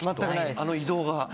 あの移動が。